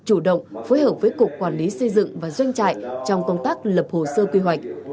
chủ động phối hợp với cục quản lý xây dựng và doanh trại trong công tác lập hồ sơ quy hoạch